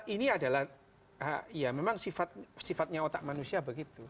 ini adalah ya memang sifatnya otak manusia begitu